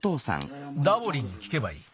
ダボリンにきけばいい。